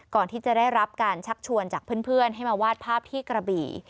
ก่อนที่จะได้รับการชักชวนจากเพื่อนให้มาวาดภาพที่กระบี่